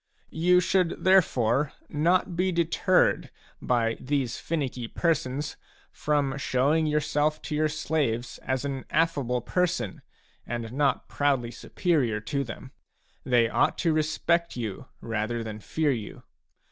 You should therefore not be deterred by these finicky persons from showing yourself to your slaves as an affable person and not proudly superior to them ; they ought to respect you rather than fear you.